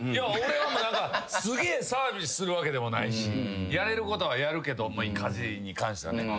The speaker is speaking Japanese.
俺はすげえサービスするわけでもないしやれることはやるけど家事に関しては。